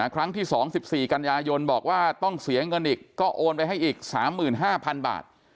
ครั้งที่๒๔กันยายนบอกว่าต้องเสียเงินอีกก็โอนไปให้อีก๓๕๐๐๐บาท